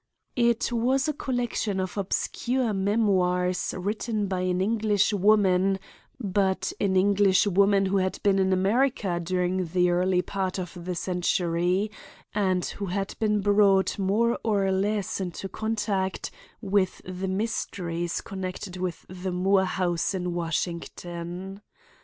It was a collection of obscure memoirs written by an English woman, but an English woman who had been in America during the early part of the century, and who had been brought more or less into contact with the mysteries connected with the Moore house in Washington.